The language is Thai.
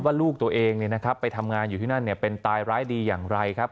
ว่าลูกตัวเองเนี่ยนะครับไปทำงานอยู่ที่นั่นเนี่ยเป็นตายร้ายดีอย่างไรครับ